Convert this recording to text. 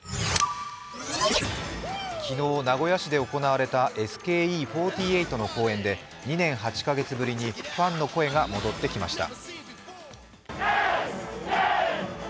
昨日、名古屋市で行われたＳＫＥ４８の公演で２年８か月ぶりにファンの声が戻ってきました。